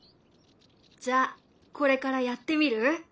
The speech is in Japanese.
じゃあこれからやってみる？